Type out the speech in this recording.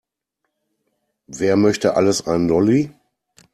Wer möchte alles einen Lolli?